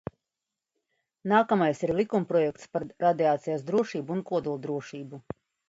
"Nākamais ir likumprojekts "Par radiācijas drošību un kodoldrošību"."